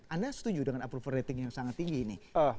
anda setuju dengan approval rating yang sangat tinggi ini